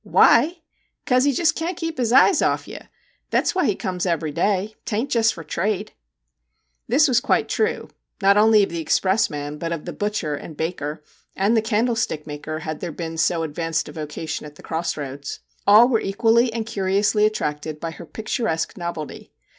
' Why ? 'cause he just can't keep his eyes off ye ! That 's why he comes every day 'taint jest for trade !' This was quite true, not only of the express man, but of the butcher and baker, and the 8 MR. JACK HAMLIN'S MEDIATION 'candlestick maker/ had there been so advanced a vocation at the cross roads. All were equally and curiously attracted by her pic turesque novelty.